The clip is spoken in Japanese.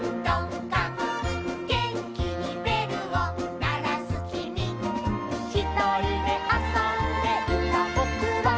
「げんきにべるをならすきみ」「ひとりであそんでいたぼくは」